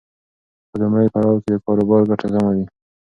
په لومړي پړاو کې د کاروبار ګټه کمه وي.